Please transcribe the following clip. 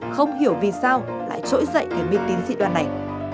không hiểu vì sao lại trỗi dậy thành mê tín dị đoan này